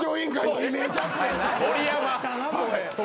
盛山。